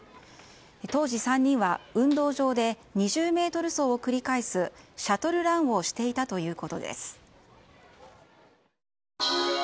当時、３人は運動場で２０ｍ走を繰り返すシャトルランをしていたということです。